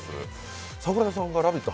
桜田さんが「ラヴィット！」